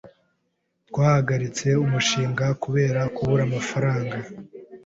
Twahagaritse umushinga kubera kubura amafaranga.